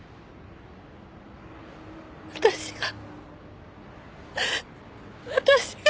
私が私が！